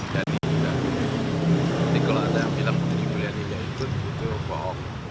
jadi kalau ada yang bilang ini muliani yang ikut itu bohong